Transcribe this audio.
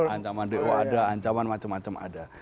ancaman dewa ada ancaman macam macam ada